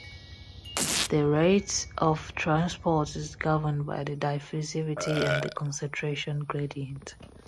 The rate of transport is governed by the diffusivity and the concentration gradient.